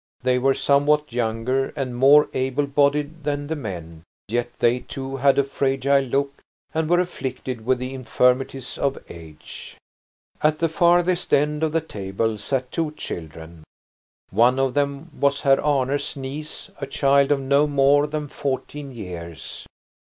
They were somewhat younger and more able bodied than the men, yet they too had a fragile look and were afflicted with the infirmities of age. At the farthest end of the table sat two children. One of them was Herr Arne's niece, a child of no more than fourteen years.